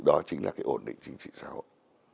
đó chính là cái ổn định chính trị xã hội